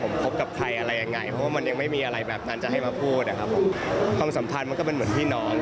ไม่ใช่ยังไม่มีอะไรแบบนั้นแน่นอน